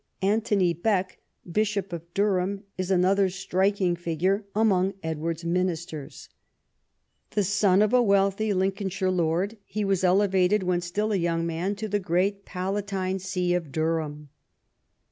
Anthony Bek, Bishop of Durham, is another striking figure among Edward's ministers. The son of a wealthy Lincolnshire lord, he was elevated when still a young man to the great palatine see of Durham.